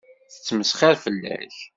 Tettmesxiṛ fell-ak.